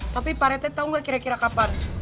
tapi pak rete tahu nggak kira kira kapan